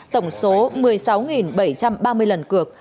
tổng số một mươi sáu bảy trăm ba mươi lần cược